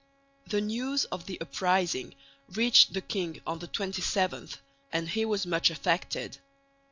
The news of the uprising reached the king on the 27th, and he was much affected.